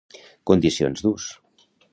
Condicions d'ús.